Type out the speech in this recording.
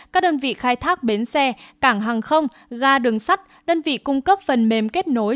các đơn vị khai thác bến xe cảng hàng không ga đường sắt đơn vị cung cấp phần mềm kết nối